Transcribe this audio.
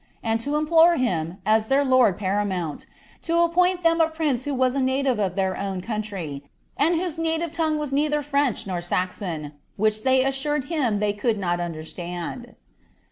and to implore him, as their lord paramount, to appoint them a prince who was a native of their own country, and whose native tongue was neither French nor Saxon, which they assured him they eoidd not nnderstand.